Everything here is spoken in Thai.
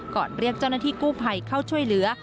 เรียกเจ้าหน้าที่กู้ภัยเข้าช่วยเหลือ